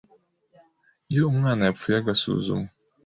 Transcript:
iyo umwana yapfuye agasuzumwa